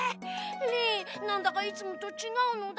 リンなんだかいつもとちがうのだ。